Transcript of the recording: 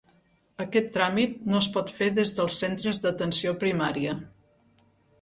Aquest tràmit no es pot fer des dels centres d'atenció primària.